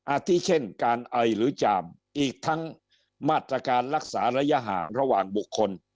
อาทิเช่นการไอหรือจามอีกทั้งมาตรการรักษาระยะห่างระหว่างบุคคล